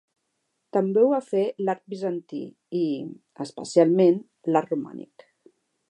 També ho va fer l'art bizantí i, especialment, l'art romànic.